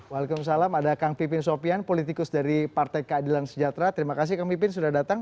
waalaikumsalam ada kang pipin sopian politikus dari partai keadilan sejahtera terima kasih kang pipin sudah datang